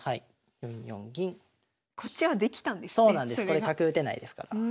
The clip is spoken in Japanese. これ角打てないですから。